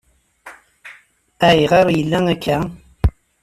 Ayɣer i yella akka?